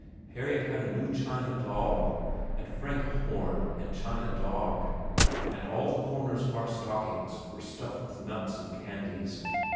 Harriet had a new china doll and Frank a horn and china dog, and all the corners of our stockings were stuffed with nuts and candies.